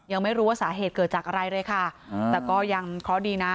ยังไม่รู้ว่าสาเหตุเกิดจากอะไรเลยค่ะอ่าแต่ก็ยังเคราะห์ดีนะ